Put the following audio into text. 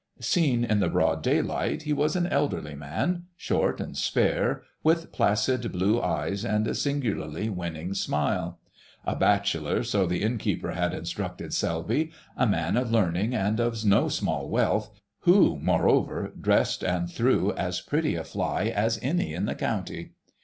Seen in the broad daylight he was an elderly man, short and spare, with placid blue eyes, and a singularly winning smile. A bachelor, so the inn keeper had instructed Selby; a man of learning and of no small wealth, who, moreover, dressed and threw as pretty a fly as any in the county.